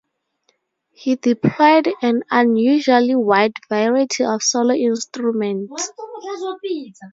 He deployed an unusually wide variety of solo instruments.